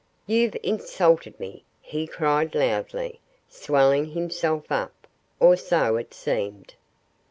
"You've insulted me!" he cried loudly, swelling himself up or so it seemed.